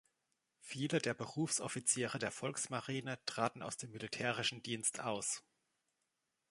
Viele der Berufsoffiziere der Volksmarine traten aus dem militärischen Dienst aus.